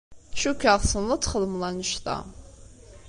Cukkeɣ tessneḍ ad txedmeḍ anect-a.